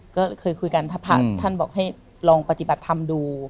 ก็เคยคุยกันถ้าพระท่านบอกให้ลองปฏิบัติธรรมดู